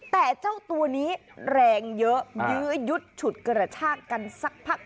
แต่เจ้าตัวนี้แรงเยอะยื้อยุดฉุดกระชากกันสักพัก